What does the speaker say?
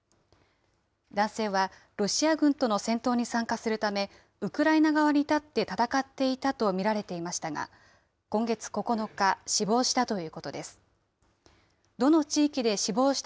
男性はロシア軍との戦闘に参加するため、ウクライナ側に立って戦っていたと見られていましたが、今月９日、死亡したということです。